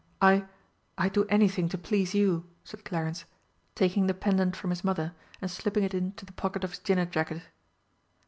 "I I'd do anything to please you," said Clarence, taking the pendant from his mother and slipping it into the pocket of his dinner jacket.